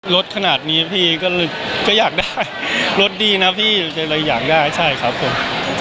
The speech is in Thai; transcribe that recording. รถขนาดนี้พี่ก็อยากได้รถดีนะพี่เลยอยากได้ใช่ครับผม